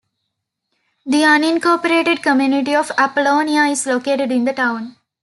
The unincorporated community of Apollonia is located in the town.